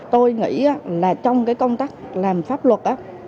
tôi nghĩ là trong cái công tác làm pháp luật